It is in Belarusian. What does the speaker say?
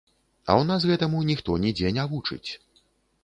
А ў нас гэтаму ніхто нідзе не вучыць.